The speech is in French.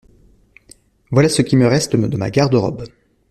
Voilà ce qui me reste de ma garde-robe !…